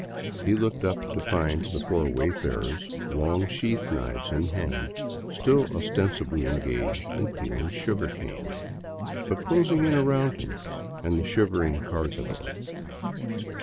He looked up to find the four wayfarers, long sheath knives in hand, still ostensibly engaged in peeling sugarcane, but closing in around him and the shivering cargadtJr.